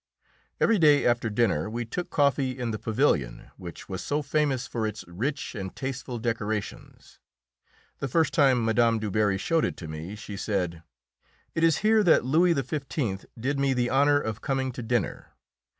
Every day after dinner we took coffee in the pavilion which was so famous for its rich and tasteful decorations. The first time Mme. Du Barry showed it to me she said: "It is here that Louis XV. did me the honour of coming to dinner.